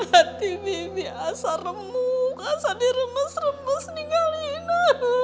hati bibi asa remuk asa diremes remes nih kali ini